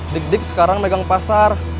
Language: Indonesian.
dikdik sekarang megang pasar